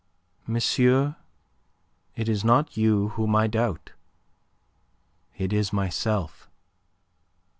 "Monsieur, it is not you whom I doubt. It is myself."